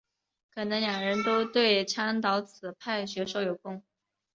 可能两人都对倡导此派学说有功。